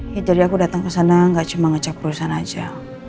ya jadi aku datang kesana nggak cuma ngecek perusahaan aja